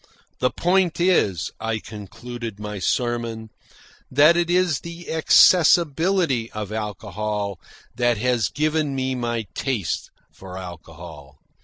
"The point is," I concluded my sermon, "that it is the accessibility of alcohol that has given me my taste for alcohol.